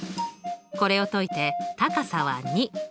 これを解いて高さは２。